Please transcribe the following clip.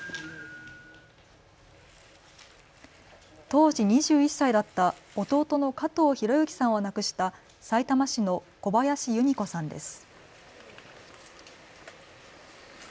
当時２１歳だった弟の加藤博幸さんを亡くしたさいたま市の小林由美子さんです。